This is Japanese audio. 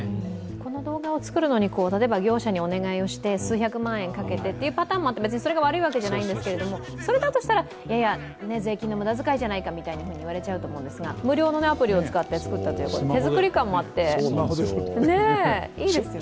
この動画を作るのに、例えば業者にお願いをして数百万円かけてというパターンも別にそれが悪いわけじゃないんですけど、それだとしたら税金の無駄づかいじゃないかと言われちゃうと思うんですが、無料のアプリを作ったということで、手作り感もあっていいですよね